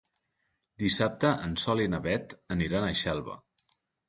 Dissabte en Sol i na Beth aniran a Xelva.